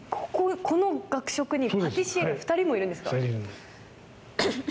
この学食にパティシエが２人もいるんですか？